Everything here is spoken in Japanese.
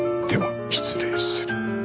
では失礼する。